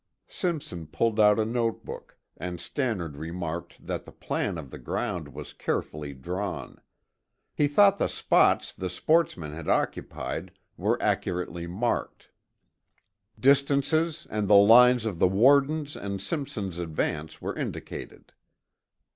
Simpson pulled out a note book and Stannard remarked that the plan of the ground was carefully drawn. He thought the spots the sportsmen had occupied were accurately marked; distances and the lines of the warden's and Simpson's advance were indicated.